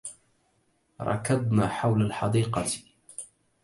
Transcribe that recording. ركضنا حول الحديقة.